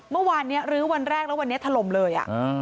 เมื่อวานนี้ลื้อวันแรกแล้ววันนี้ถล่มเลย